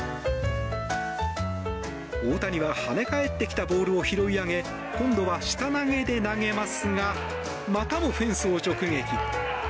大谷ははね返ってきたボールを拾い上げ今度は下投げで投げますがまたもフェンスを直撃。